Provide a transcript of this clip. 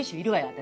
私。